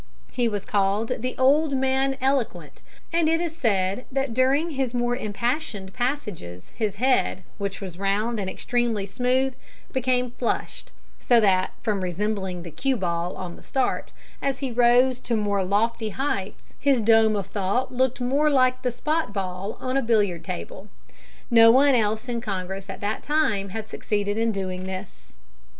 He was called "The old man eloquent," and it is said that during his more impassioned passages his head, which was round and extremely smooth, became flushed, so that, from resembling the cue ball on the start, as he rose to more lofty heights his dome of thought looked more like the spot ball on a billiard table. No one else in Congress at that time had succeeded in doing this.